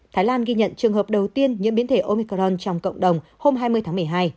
thái lan ghi nhận trường hợp đầu tiên nhiễm biến thể omicron trong cộng đồng hôm hai mươi tháng một mươi hai